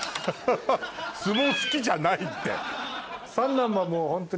相撲好きじゃないって。